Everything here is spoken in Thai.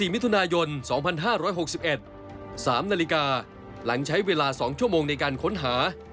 มิถุนายน๒๕๖๑๓นาฬิกาหลังใช้เวลา๒ชั่วโมงในการค้นหา